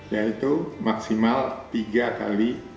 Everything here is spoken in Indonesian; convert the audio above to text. yaitu maksimal tiga kali